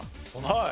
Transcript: はい。